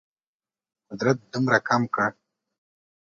قدرت دونه کم کړ.